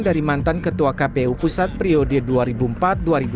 dari mantan ketua kpu pusat priodya